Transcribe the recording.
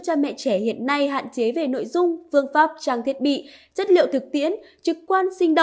cha mẹ trẻ hiện nay hạn chế về nội dung phương pháp trang thiết bị chất liệu thực tiễn trực quan sinh